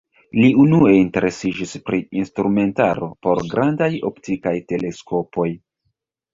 Li unue interesiĝis pri instrumentaro por grandaj optikaj teleskopoj.